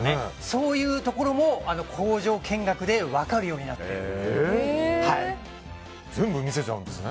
そういうところも工場見学で分かるようになっているんです。